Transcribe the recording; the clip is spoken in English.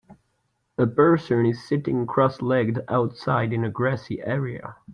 A person is sitting cross legged outside in a grassy area.